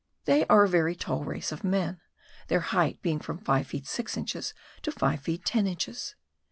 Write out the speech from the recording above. They are a very tall race of men, their height being from five feet six inches, to five feet ten inches.